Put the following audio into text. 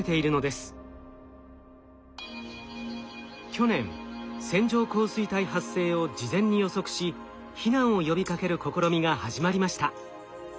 去年線状降水帯発生を事前に予測し避難を呼びかける試みが始まりました。